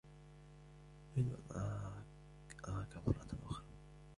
أريد أن أراك مرة أخرى.